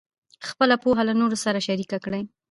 خپله پوهه له نورو سره شریکه کړئ.